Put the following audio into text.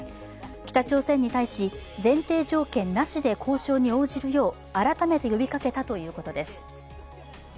北朝鮮に対し、前提条件なしで交渉に応じるよう改めて呼びかけたということです。